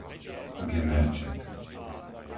Gemerček